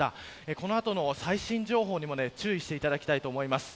この後の最新情報にも注意していただきたいです。